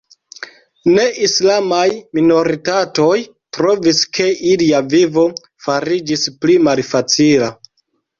Ne-islamaj minoritatoj trovis ke ilia vivo fariĝis pli malfacila.